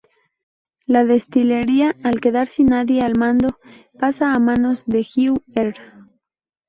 La destilería, al quedar sin nadie al mando, pasa a manos de Jiu’er.